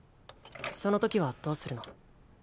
そのときはどうするの？